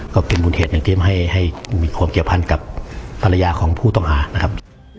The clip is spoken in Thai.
ก็เป็นมูลเหตุหนึ่งที่ให้มีความเกี่ยวพันกับภรรยาของผู้ต้องหานะครับ